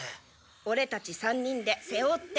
オレたち３人でせおって。